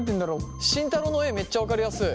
慎太郎の絵めっちゃ分かりやすい。